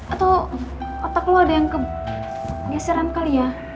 atau otak kamu ada yang kegeseran kali ya